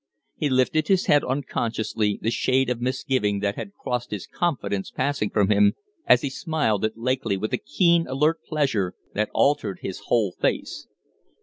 He lifted his head unconsciously, the shade of misgiving that had crossed his confidence passing from him as he smiled at Lakeley with a keen, alert pleasure that altered his whole face.